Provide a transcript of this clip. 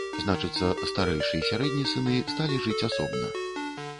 Значыцца, старэйшы і сярэдні сыны сталі жыць асобна.